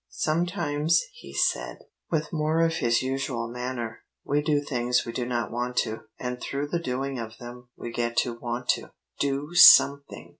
"Sometimes," he said, with more of his usual manner, "we do things we do not want to, and through the doing of them, we get to want to. Do something!